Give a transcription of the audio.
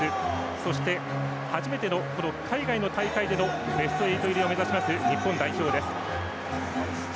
そして、初めての海外での大会でのベスト８入りを目指します日本代表です。